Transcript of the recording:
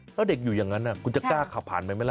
แล้วเด็กอยู่อย่างนั้นคุณจะกล้าขับผ่านไปไหมล่ะ